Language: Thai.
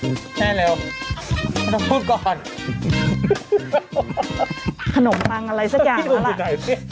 แม่เร็วขนมปังอะไรสักอย่างแล้วล่ะ